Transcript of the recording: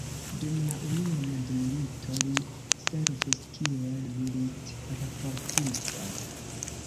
Dum la Unua mondmilito li servis kiel milit-raportisto.